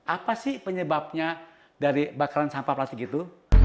apa sih penyebabnya dari bakaran sampah plastik itu